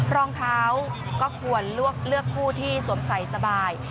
รองเท้าก็ควรเลือกผู้ที่สวมใส่สบาย